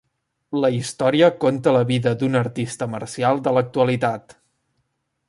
La història conta la vida d'un artista marcial de l'actualitat.